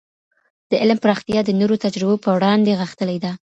د علم پراختيا د نورو تجربو په وړاندې غښتلې ده.